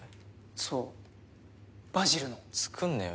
そうバジルの作んねぇよ